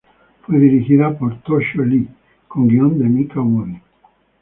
Fue dirigida por Toshio Lee, con guion de Mika Omori.